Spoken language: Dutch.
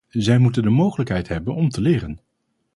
Zij moeten de mogelijkheid hebben om te leren.